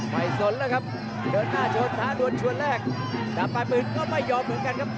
ไม่สนแล้วครับเดินหน้าชนท้านะวนชวนแรกถามไปปืนไม่ยอมเหมือนกันครับ